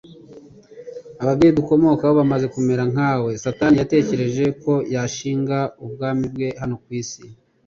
Ababyeyi dukomokaho bamaze kumera nkawe, Satani yatekereje ko yashinga ubwami bwe hano ku isi